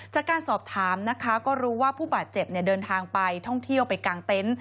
จากการสอบถามนะคะก็รู้ว่าผู้บาดเจ็บเดินทางไปท่องเที่ยวไปกางเต็นต์